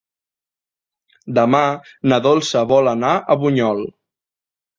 Demà na Dolça vol anar a Bunyol.